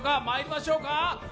まいりましょうか。